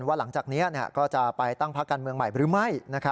หลังจากนี้ก็จะไปตั้งพักการเมืองใหม่หรือไม่